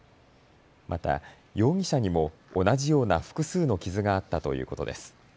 また容疑者にも同じような複数の傷があったということです。